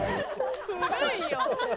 古いよ。